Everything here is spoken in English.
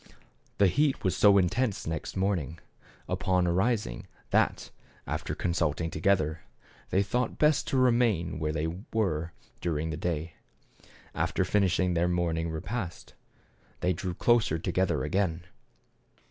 The heat was so intense next morning upon arising that, after consulting together, they thought best to remain where they were during the day. After finishing their morning repast, they drew closer together again.